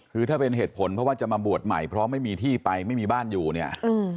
คือถ้าเป็นเหตุผลเพราะว่าจะมาบวชใหม่เพราะไม่มีที่ไปไม่มีบ้านอยู่เนี่ย